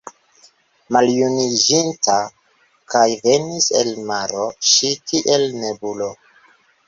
Maljuniĝinta, kaj venis el maro ŝi kiel nebulo